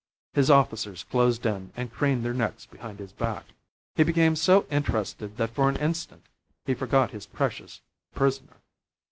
His officers closed in and craned their necks behind his back. He became so interested that for an instant he forgot his precious prisoner.